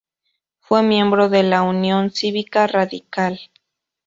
Fue miembro de la Unión Cívica Radical.